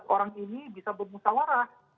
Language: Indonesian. tujuh belas orang ini bisa bermusawarah